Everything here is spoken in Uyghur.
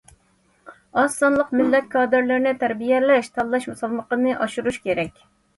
ئاز سانلىق مىللەت كادىرلىرىنى تەربىيەلەش، تاللاش سالمىقىنى ئاشۇرۇش كېرەك.